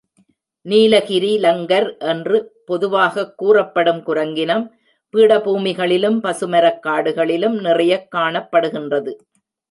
நீலகிரிலங்கர் என்று பொதுவாகக் கூறப்படும் குரங்கினம், பீடபூமிகளிலும், பசுமரக் காடுகளிலும் நிறையக் காணப்படுகின்றது.